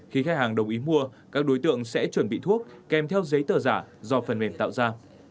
khi khách hàng đồng ý mua các đối tượng sẽ chuẩn bị thuốc kèm theo giấy tờ giả do phần mềm tạo ra